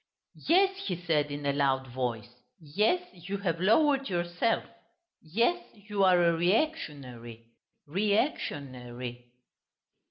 "Yes," he said in a loud voice, "yes, you have lowered yourself. Yes, you are a reactionary ... re ac tion ary!"